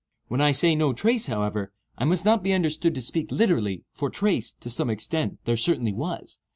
When I say no trace, however, I must not be understood to speak literally; for trace, to some extent, there certainly was.